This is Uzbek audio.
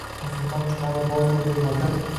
Musulmon chumoli boz o’yga botar